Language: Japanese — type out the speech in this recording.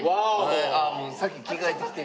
ああもう先着替えてきて。